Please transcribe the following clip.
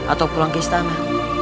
atau pulang ke istana